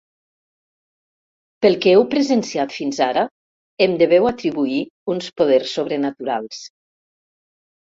Pel que heu presenciat fins ara, em deveu atribuir uns poders sobrenaturals.